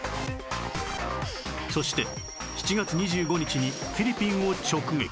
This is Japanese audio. そして７月２５日にフィリピンを直撃